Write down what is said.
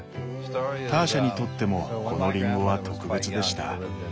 ターシャにとってもこのリンゴは特別でした。